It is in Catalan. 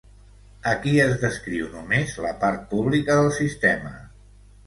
Aquí es descriu només la part pública del sistema.